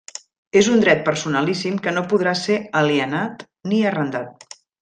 És un dret personalíssim que no podrà ser alienat ni arrendat.